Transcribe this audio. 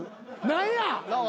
何や！